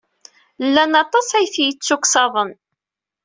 Llan aṭas ay t-yettuksaḍen.